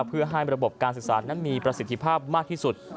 เพื่อให้ระบบการศึกษานั้นมีประสิทธิภาพมากที่สุด